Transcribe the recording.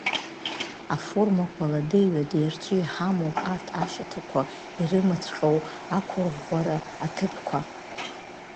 Аформақәа ладеи ҩадеи рҿы иҳамоуп арҭ ашьаҭақәа ирымаҵәҟьоу ақәыӷәӷәара аҭыԥқәа.